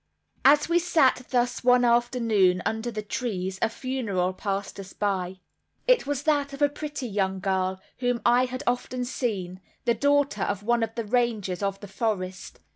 As we sat thus one afternoon under the trees a funeral passed us by. It was that of a pretty young girl, whom I had often seen, the daughter of one of the rangers of the forest.